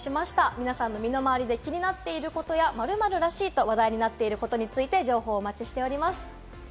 皆さんの身の回りで気になっていることや、「〇〇らしい」と話題になっていることについて情報をお待ちしております。